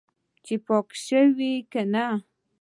چې پاک شوی که نه.